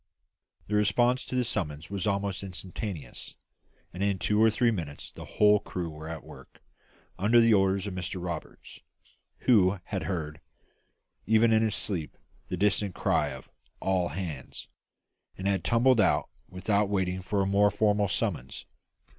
The response to this summons was almost instantaneous, and in two or three minutes the whole crew were at work, under the orders of Mr Roberts, who had heard, even in his sleep, the distant cry of "All hands," and had tumbled out without waiting for a more formal summons.